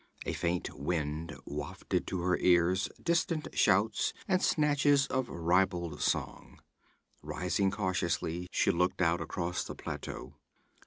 A faint wind wafted to her ears distant shouts and snatches of ribald song. Rising cautiously, she looked out across the plateau.